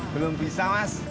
belum bisa mas